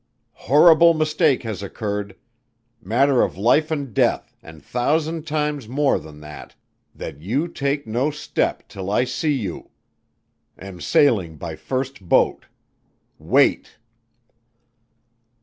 "Horrible mistake has occurred. Matter of life and death and thousand times more than that that you take no step till I see you. Am sailing by first boat. Wait."